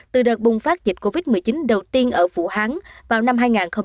từ đợt bùng phát dịch covid một mươi chín đầu tiên ở vũ hán vào năm hai nghìn hai mươi